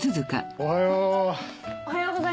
おはよう。